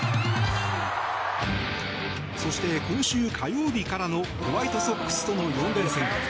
そして今週火曜日からのホワイトソックスとの４連戦。